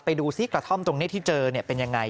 ไปดูซิกระท่อมตรงนี้ที่เจอเป็นยังไง